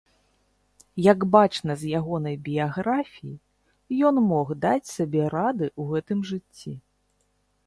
Як бачна з ягонай біяграфіі, ён мог даць сабе рады ў гэтым жыцці.